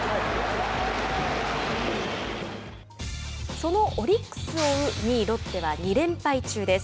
そのオリックスを追う２位ロッテは２連敗中です。